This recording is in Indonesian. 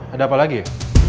ada apa lagi ya